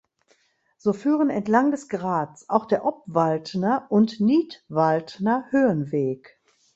So führen entlang des Grats auch der Obwaldner und Nidwaldner Höhenweg.